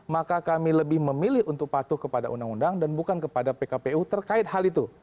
maka kami lebih memilih untuk patuh kepada undang undang dan bukan kepada pkpu terkait hal itu